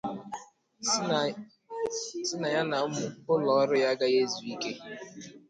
sị na ya na ụlọọrụ ya agaghị ezù ike